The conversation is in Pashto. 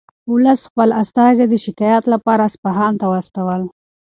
ولس خپل استازي د شکایت لپاره اصفهان ته واستول.